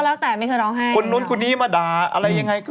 แล้วแต่ไม่เคยร้องไห้นี่ครับคนน้นคนนี้มาด่าอะไรอย่างไร